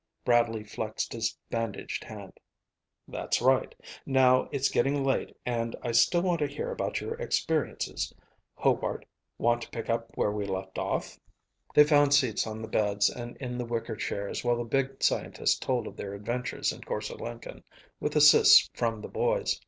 Bradley flexed his bandaged hand. "That's right. Now, it's getting late and I still want to hear about your experiences. Hobart, want to pick up where we left off?" They found seats on the beds and in the wicker chairs while the big scientist told of their adventures in Korse Lenken, with assists from the boys.